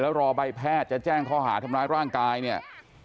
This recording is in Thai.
แล้วรอใบแพทย์จะแจ้งข้อหาทำร้ายร่างกายเนี่ย